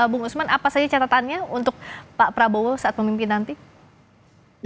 bung usman apa saja catatannya untuk pak prabowo saat memimpin nanti